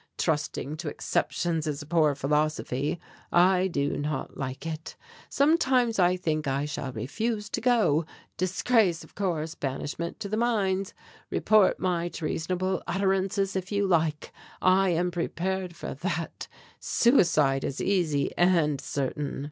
Trusting to exceptions is a poor philosophy. I do not like it. Sometimes I think I shall refuse to go. Disgrace, of course, banishment to the mines. Report my treasonable utterances if you like. I am prepared for that; suicide is easy and certain."